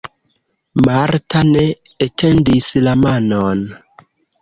Marta ne etendis la manon.